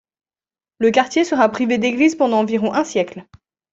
Le quartier sera privé d'église pendant environ un siècle.